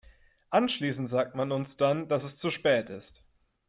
Anschließend sagt man uns dann, dass es zu spät ist.